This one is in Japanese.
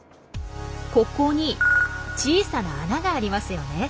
ここに小さな穴がありますよね。